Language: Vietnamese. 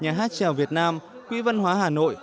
nhà hát trèo việt nam quỹ văn hóa hà nội